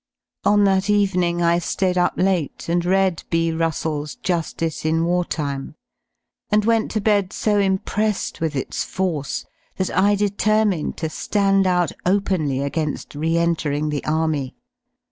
On that evening I ^ayed up late and read B. Russell's "Ju^ice in War Time," and went to bed so impressed with its force that I determined to ^and out openly again^ re entering the Army.